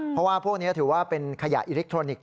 เพราะว่าพวกนี้ถือว่าเป็นขยะอิเล็กทรอนิกส